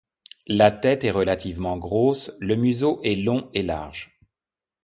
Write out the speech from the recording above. La tête est relativement grosse, le museau est long et large.